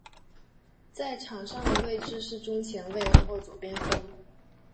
在场上的位置是中前卫或左边锋。